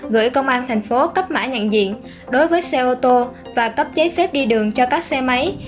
gửi công an thành phố cấp mã nhận diện đối với xe ô tô và cấp giấy phép đi đường cho các xe máy